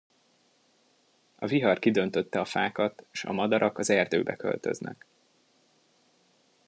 A vihar kidöntötte a fákat, s a madarak az erdőbe költöznek.